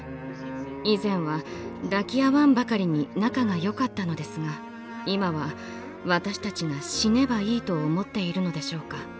以前は抱き合わんばかりに仲がよかったのですが今は私たちが死ねばいいと思っているのでしょうか。